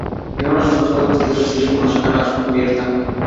Llegaron al juzgado vestidos de civil con la cara cubierta.